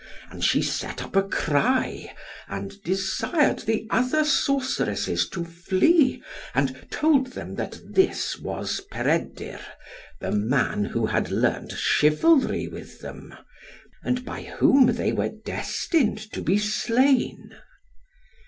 And she set up a cry, and desired the other sorceresses to flee, and told them that this was Peredur, the man who had learnt Chivalry with them, and by whom they were destined to be slain.